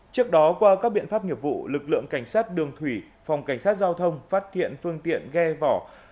trước đó qua các biện pháp nghiệp vụ lực lượng cảnh sát đường thủy phòng cảnh sát giao thông phát hiện phương tiện ghe vỏ